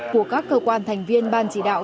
của các cơ quan thành viên ban chỉ đạo